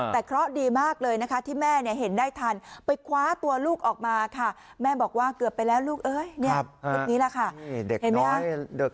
แต่เค้าดีมากเลยนะคะที่แม่เนี่ยเห็นได้ทันไปคว้าตัวลูกออกมาค่ะแม่บอกว่าเกือบไปแล้วลูกเอยเนี่ย